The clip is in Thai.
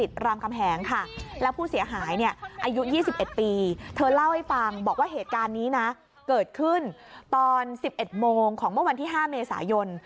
อายุ๒๑ปีเธอเล่าให้ฟังบอกว่าเหตุการณ์นี้นะเกิดขึ้นตอน๑๑โมงของเมื่อวันที่๕เมษายน